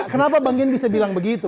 kenapa bang gian bisa bilang begitu